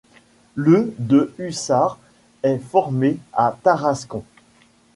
Le de hussards est formé à Tarascon.